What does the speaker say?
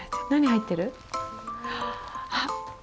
何入ってる？あっ。